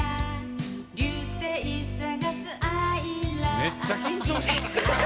「めっちゃ緊張しとるな」